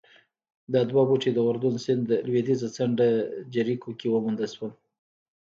دا دوه بوټي د اردن سیند لوېدیځه څنډه جریکو کې وموندل شول